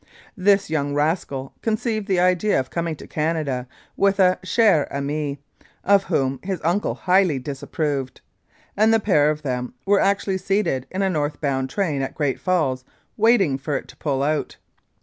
This young rascal conceived the idea of coming to Canada with a chere amie, of whom his uncle highly disapproved, and the pair of them were actually seated in a north bound train at Great Falls waiting for it to pull out.